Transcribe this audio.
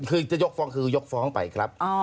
คือจะยกฟ้องคือยกฟ้องไปครับ